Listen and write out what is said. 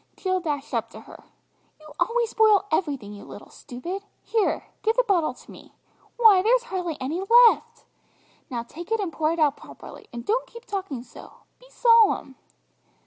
Jill dashed up to her. "You always spoil everything, you little stupid! Here! give the bottle to me, why, there's hardly any left! Now take it and pour it out properly, and don't keep talking so; be solemn!"